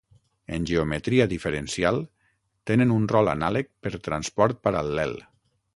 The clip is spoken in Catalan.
En geometria diferencial, tenen un rol anàleg per transport paral·lel.